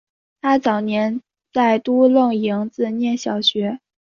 他早年在都楞营子念小学。